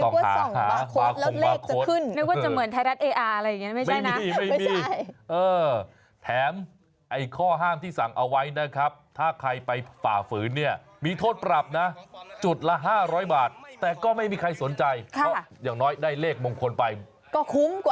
นึกว่าส่องบาร์โค้ดแล้วเลขจะขึ้นคือนึกว่าส่องบาร์โค้ดแล้วเลขจะขึ้น